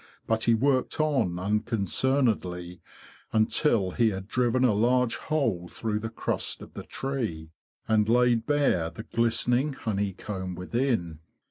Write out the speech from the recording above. But he worked on unconcernedly until he had driven a large hole through the crust of the tree and laid bare the glistening honeycomb within.